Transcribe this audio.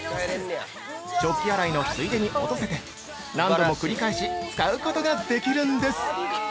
食器洗いのついでに落とせて何度も繰り返し使うことができるんです。